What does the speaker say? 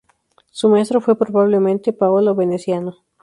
Su maestro fue probablemente Paolo Veneziano.